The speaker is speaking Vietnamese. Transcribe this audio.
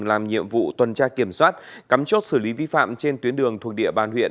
làm nhiệm vụ tuần tra kiểm soát cắm chốt xử lý vi phạm trên tuyến đường thuộc địa bàn huyện